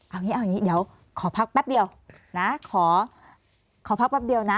เอาอย่างนี้เดี๋ยวขอพักแป๊บเดียวนะ